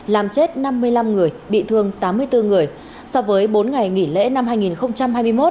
làm chết năm mươi năm người bị thương tám mươi bốn người so với bốn ngày nghỉ lễ năm hai nghìn hai mươi một